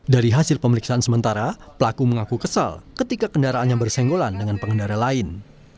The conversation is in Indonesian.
dari hasil pemeriksaan sementara pelaku mengaku kesal ketika kendaraannya bersenggolan dengan pengendara lain